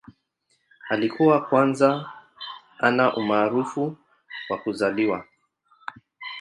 Alikuwa kwanza ana umaarufu wa kuzaliwa.